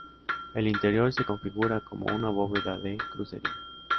El interior se configura como una bóveda de crucería.